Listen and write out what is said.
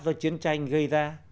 do chiến tranh gây ra